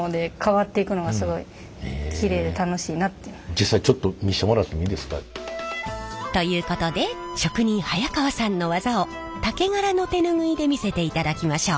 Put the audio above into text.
実際ちょっと見せてもらってもいいですか？ということで職人早川さんの技を竹柄の手ぬぐいで見せていただきましょう。